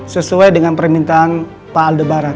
sesuai dengan permintaan pak aldebaran